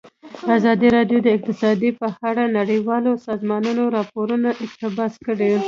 ازادي راډیو د اقتصاد په اړه د نړیوالو سازمانونو راپورونه اقتباس کړي.